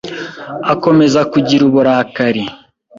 Akomeza kugira uburakari